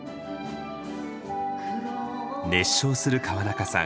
熱唱する川中さん。